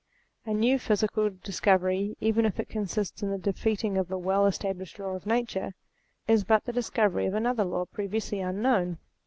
A new physical discovery even if it consists in the defeating of a well established law of nature, is but the discovery of another law previously unknown.